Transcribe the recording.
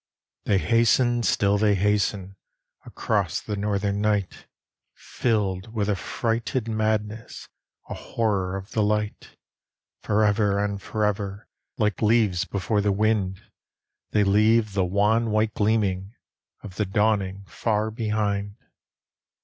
They hasten, still they hasten, Across the northern night, Filled with a frighted madness, A horror of the light; Forever and forever, Like leaves before the wind, They leave the wan, white gleaming Of the dawning far behind.